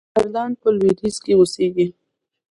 کردان په لویدیځ کې اوسیږي.